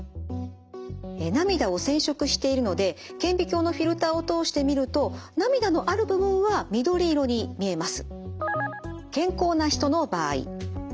涙を染色しているので顕微鏡のフィルターを通して見ると涙のある部分は緑色に見えます。